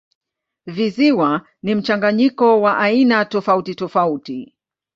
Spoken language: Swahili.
Visiwa ni mchanganyiko wa aina tofautitofauti.